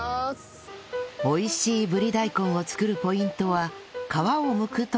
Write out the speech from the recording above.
美味しいぶり大根を作るポイントは皮をむくところから